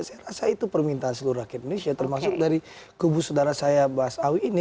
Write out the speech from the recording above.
saya rasa itu permintaan seluruh rakyat indonesia termasuk dari kubu saudara saya bas awi ini